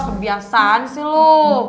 kebiasaan sih lo